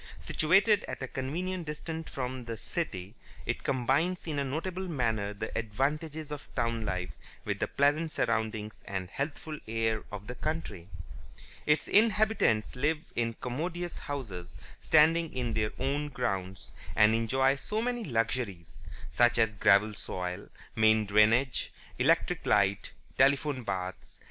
Situated at a convenient distance from the city, it combines in a notable manner the advantages of town life with the pleasant surroundings and healthful air of the country. Its inhabitants live in commodious houses, standing in their own grounds, and enjoy so many luxuries such as gravel soil, main drainage, electric light, telephone, baths (h. and c.)